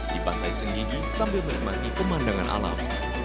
di pantai senggigi sambil menikmati pemandangan alam